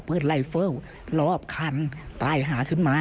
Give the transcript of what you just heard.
เปิดไลเฟิร์ลรอบคันตายหาขึ้นมา